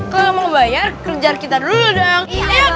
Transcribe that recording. kalau mau bayar kejar kita dulu dong